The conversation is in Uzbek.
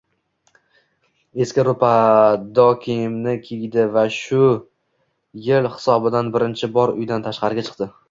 eski roʻdapo kiyimni qiydi va shu yil hisobidan birinchi bor uydan tashqariga chiqdi.